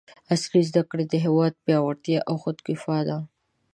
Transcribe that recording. عصري زده کړې د هېواد پیاوړتیا او خودکفاء ده!